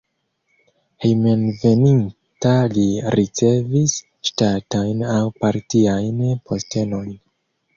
Hejmenveninta li ricevis ŝtatajn aŭ partiajn postenojn.